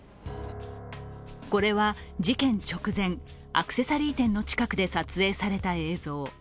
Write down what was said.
これは、事件直前、アクセサリー店の近くで撮影された映像。